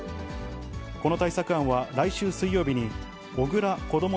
この対策案は来週水曜日に、小倉こども